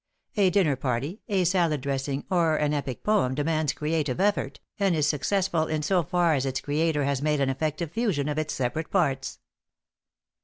A dinner party, a salad dressing or an epic poem demands creative effort, and is successful in so far as its creator has made an effective fusion of its separate parts.